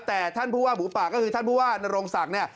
แต่ท่านผู้ว่าบูปากก็คือท่านผู้ว่านรงศักดิ์